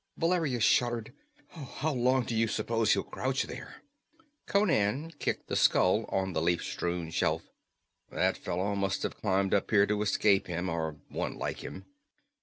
Valeria shuddered. "How long do you suppose he'll crouch there?" Conan kicked the skull on the leaf strewn shelf. "That fellow must have climbed up here to escape him, or one like him.